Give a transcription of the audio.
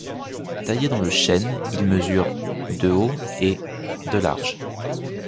Taillé dans le chêne, il mesure de haut et de large.